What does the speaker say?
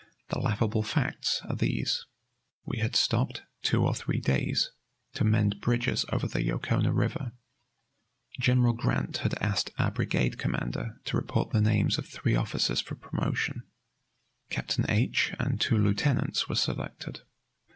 The laughable facts are these: We had stopped two or three days, to mend bridges over the Yocona River. General Grant had asked our brigade commander to report the names of three officers for promotion. Captain H and two lieutenants were selected.